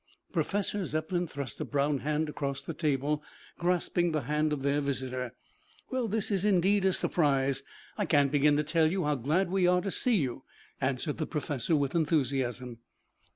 Professor Zepplin thrust a brown hand across the table, grasping the hand of their visitor. "Well, this is indeed a surprise. I can't begin to tell you how glad we are to see you," answered the professor with enthusiasm.